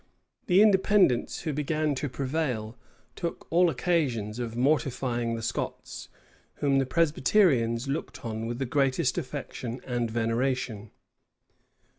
The Independents, who began to prevail, took all occasions of mortifying the Scots, whom the Presbyterians looked on with the greatest affection and veneration.